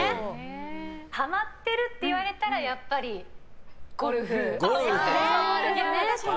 ハマってるって言われたらやっぱりゴルフ。